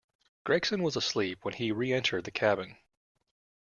Gregson was asleep when he re-entered the cabin.